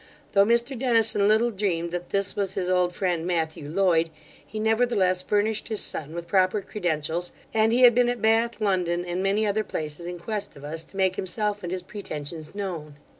Though Mr Dennison little dreamed that this was his old friend Matthew Loyd, he nevertheless furnished his son with proper credentials, and he had been at Bath, London, and many other places in quest of us, to make himself and his pretensions known.